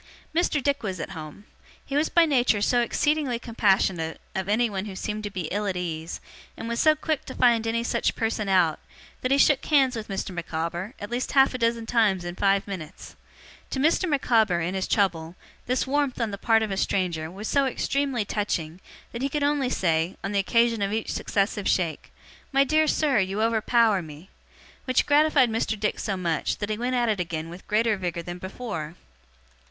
Mr. Dick was at home. He was by nature so exceedingly compassionate of anyone who seemed to be ill at ease, and was so quick to find any such person out, that he shook hands with Mr. Micawber, at least half a dozen times in five minutes. To Mr. Micawber, in his trouble, this warmth, on the part of a stranger, was so extremely touching, that he could only say, on the occasion of each successive shake, 'My dear sir, you overpower me!' Which gratified Mr. Dick so much, that he went at it again with greater vigour than before.